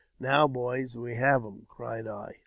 " Now, boys, we have them !" cried I.